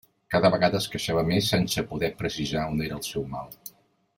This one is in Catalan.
Cada vegada es queixava més, sense poder precisar on era el seu mal.